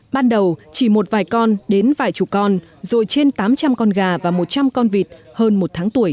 ban đầu chỉ một vài con đến vài chục con rồi trên tám trăm linh con gà và một trăm linh con vịt hơn một tháng tuổi